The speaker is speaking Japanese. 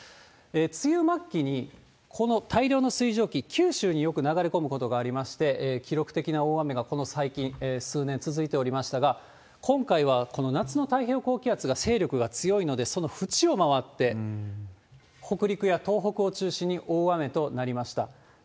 梅雨末期に、この大量の水蒸気、九州によく流れ込むことがありまして、記録的な大雨がこの最近、数年続いておりましたが、今回はこの夏の太平洋高気圧が勢力が強いので、その縁を回って、北陸や東北を中心に大雨となりました。